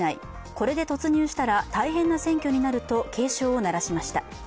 これで突入したら大変な選挙になると警鐘を鳴らしました。